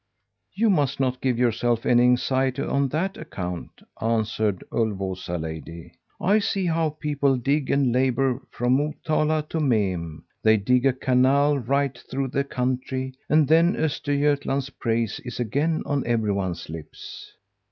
"'You must not give yourself any anxiety on that account,' answered Ulvåsa lady. I see how people dig and labour, from Motala to Mem. They dig a canal right through the country, and then Östergötland's praise is again on everyone's lips.'